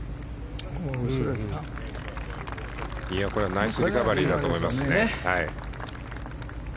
ナイスリカバリーだと思います。